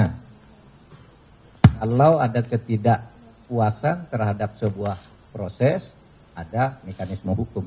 kalau ada ketidakpuasan terhadap sebuah proses ada mekanisme hukum